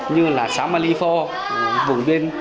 như là xã malifor vùng biên